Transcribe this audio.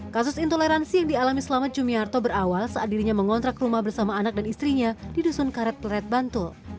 kasus intoleransi yang dialami selamat jumiarto berawal saat dirinya mengontrak rumah bersama anak dan istrinya di dusun karet plat bantul